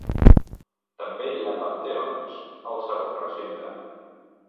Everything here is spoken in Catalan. També hi ha panteons al segon recinte.